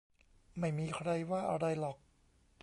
ไม่มีใครว่าอะไรหรอก